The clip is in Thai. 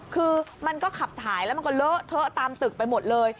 คือมันก็ขับถ่ายแล้วมันก็เลอะเทอะตามตึกไปหมดเลย